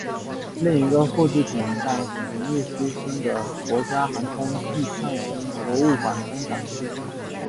另外一个复制品在史密松森的国家航空暨太空博物馆展出。